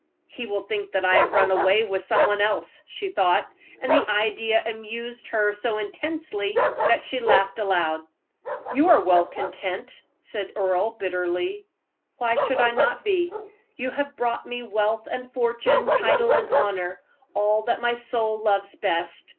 "He will think that I have run away with some one else," she thought; and the idea amused her so intensely that she laughed aloud. "You are well content," said Earle, bitterly. "Why should not I be? You have brought me wealth and fortune, title and honor all that my soul loves best.